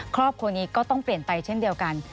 ครอบครัวนี้ก็ต้องเปลี่ยนไปเช่นเดียวกัน